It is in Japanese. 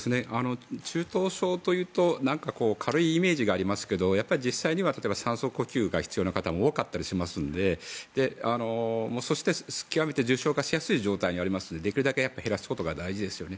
中等症というと軽いイメージがありますけどやっぱり実際には酸素呼吸が必要な方も多かったりしますのでそして、極めて重症化しやすい状態にありますのでできるだけ減らすことが大事ですよね。